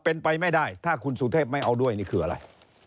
เป็นไปไม่ได้ถ้าคุณสุเทพไม่เอาด้วยนี่คืออะไร